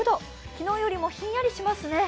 昨日よりもひんやりしますね。